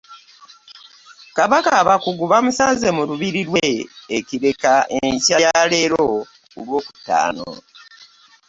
Kabaka abakugu bamusanze mu Lubiri lw'e Kireka enkya ya leero ku Lwokutaano.